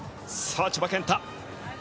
千葉健太。